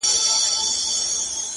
• له څه مودې راهيسي داسـي يـمـه ـ